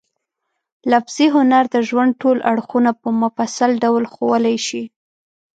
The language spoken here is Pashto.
لفظي هنر د ژوند ټول اړخونه په مفصل ډول ښوولای شي.